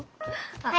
はい。